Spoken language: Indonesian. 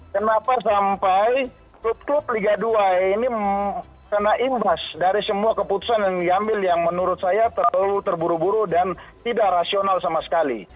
kenapa sampai klub klub liga dua ini kena imbas dari semua keputusan yang diambil yang menurut saya terlalu terburu buru dan tidak rasional sama sekali